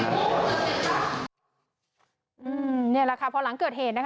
นี่แหละค่ะพอหลังเกิดเหตุนะคะ